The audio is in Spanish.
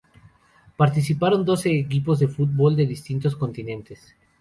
Participaron doce equipos de fútbol de distintos continentes.